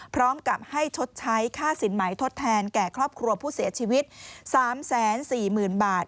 พร้อมกับให้ชดใช้ค่าสินไหมทดแทนแก่ครอบครัวผู้เสียชีวิต๓๔๐๐๐บาท